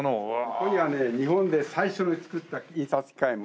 ここにはね日本で最初に造った印刷機械もあります。